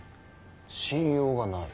信用がない？